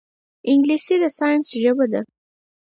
انګلیسي د ساینس ژبه ده